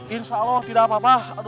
insya allah tidak apa apa